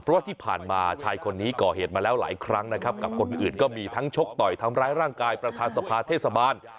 เพราะว่าที่ผ่านมาชายคนนี้ก่อเหตุมาแล้วหลายครั้งนะครับกับคนอื่นก็มีทั้งชกต่อยทำร้ายร่างกายประธานสภาเทศบาล